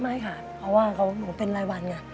ไม่ค่ะเพราะว่าหนูเป็นรายวันไง